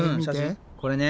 これね。